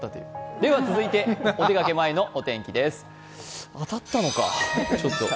では続いてお出かけ前のお天気です。